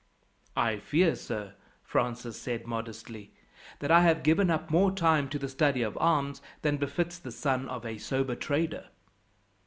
"I fear, sir," Francis said modestly, "that I have given up more time to the study of arms than befits the son of a sober trader."